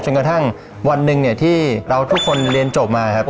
กระทั่งวันหนึ่งเนี่ยที่เราทุกคนเรียนจบมาครับ